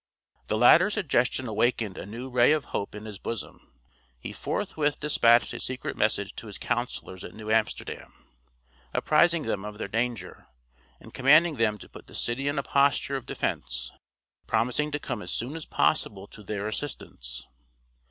The latter suggestion awakened a new ray of hope in his bosom; he forthwith dispatched a secret message to his councillors at New Amsterdam, apprising them of their danger, and commanding them to put the city in a posture of defense, promising to come as soon as possible to their assistance.